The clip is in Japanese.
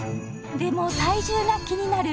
でも体重が気になる